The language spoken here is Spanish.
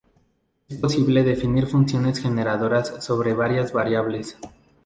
Es posible definir funciones generadoras sobre varias variables.